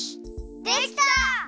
できた！